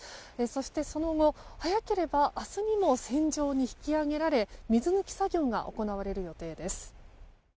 そして、その後早ければ明日にも船上に引き揚げられ水抜き作業が行われる予定です。